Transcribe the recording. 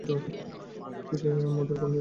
তোর থেকে মদের গন্ধ আসছে।